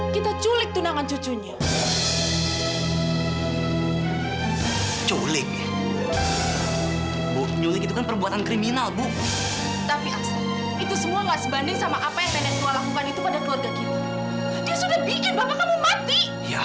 kalau masalah itu kan gampang aksa